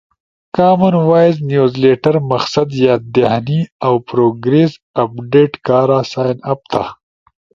کامن وائس نیوز لیٹر، مقصد یاد دہانی اؤ پروگریس اپڈیٹ کارا سائن اپ تھا